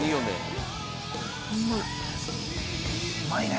うまいね。